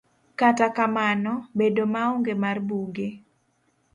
Kata kamano, bedo maonge mar buge